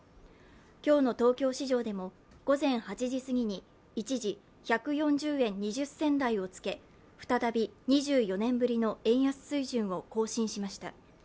昨日の東京市場でも、午前８時過ぎに一時１４０円２０銭台をつけ、再び２４年ぶりの円安水準を更新しました。